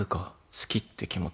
好きって気持ち。